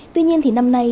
tuy nhiên thì năm nay